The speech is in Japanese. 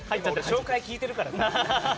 紹介聞いてるからさ。